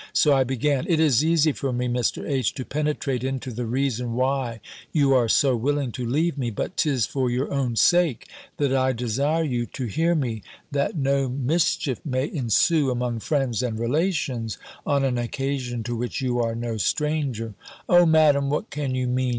So I began "It is easy for me, Mr. H., to penetrate into the reason why you are so willing to leave me: but 'tis for your own sake, that I desire you to hear me, that no mischief may ensue among friends and relations, on an occasion to which you are no stranger." "O, Madam, what can you mean?